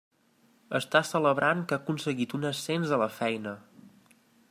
Està celebrant que ha aconseguit un ascens a la feina.